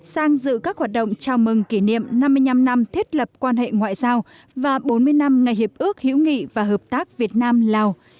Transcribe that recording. sang dự các hoạt động chào mừng kỷ niệm năm mươi năm năm thiết lập quan hệ ngoại giao và bốn mươi năm ngày hiệp ước hữu nghị và hợp tác việt nam lào